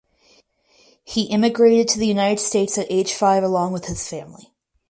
He immigrated to the United States at age five along with his family.